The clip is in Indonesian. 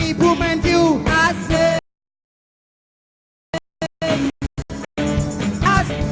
ibu menju asik